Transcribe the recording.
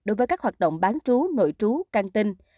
đối với các hoạt động bán trú nội trú can tinh